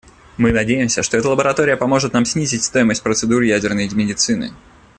Мы надеемся, что эта лаборатория поможет нам снизить стоимость процедур ядерной медицины.